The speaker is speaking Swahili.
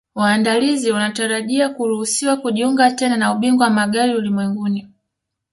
Waandalizi wanatarajia kuruhusiwa kujiunga tena na Ubingwa wa Magari Ulimwenguni